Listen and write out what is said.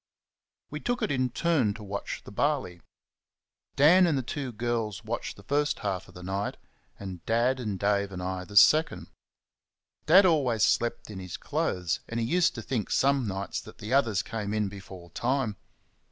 We took it in turns to watch the barley. Dan and the two girls watched the first half of the night, and Dad, Dave and I the second. Dad always slept in his clothes, and he used to think some nights that the others came in before time.